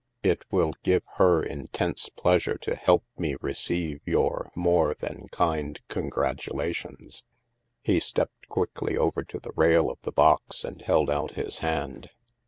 It will give her intense pleasure to help me receive your more than kind congratulations.'' He stepped quickly over to the rail of the box and held out his hand.